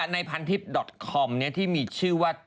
ในพันทิศคอมเนี่ยที่มีชื่อว่า